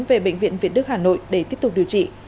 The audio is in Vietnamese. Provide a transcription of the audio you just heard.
về bệnh viện việt đức hà nội để tiếp tục điều trị